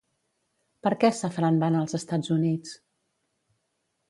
Per què Safran va anar als Estats Units?